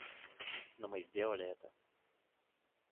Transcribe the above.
Но мы сделали это.